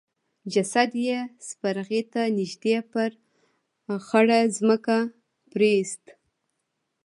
جسد يې سپرغي ته نږدې پر خړه ځمکه پريېست.